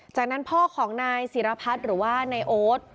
จากนั้นพ่อของนายศิรพัฒน์หรือว่านายโอ๊ต